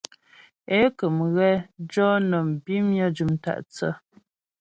É kə̀m ghɛ jɔ nɔm bimnyə jʉm tâ'thə́.